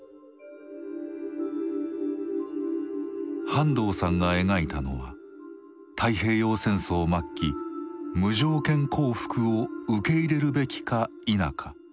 半藤さんが描いたのは太平洋戦争末期無条件降伏を受け入れるべきか否か。